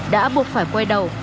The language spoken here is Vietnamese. đã buộc phải quay đầu